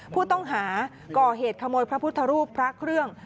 ผู้ต้องหาก่อเหตุขโมยพระพุทธรูปพระเครื่อง